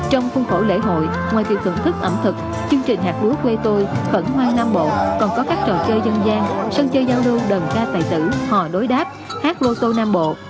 trong bộ lễ hội ngoài việc thưởng thức ẩm thực chương trình hạt lúa quê tôi khẩn hoan nam bộ còn có các trò chơi dân gian sân chơi giao lưu đờm ca tài tử hò đối đáp hát lô tô nam bộ